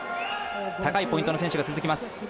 高いポイントの選手が続きます。